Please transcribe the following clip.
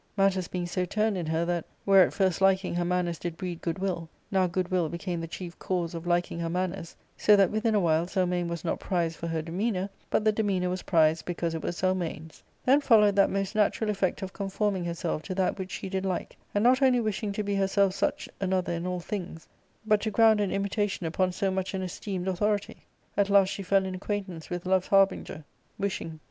I Matters being so turned in her that where at first liking her manners did breed good will, now good will became the chief cause of liking her manners; so that within a while Zelmane was not prized for I her demeanour, but the demeanour was prized because it 1 was Zelmane's, Then followed that most natural effect of conforming herself to that which shq did like, and not only wishing to be herself such another in all things, but to ground an imitation upon so much an esteemed authority. At last she fell in acquaintance with love's harbinger — wishing.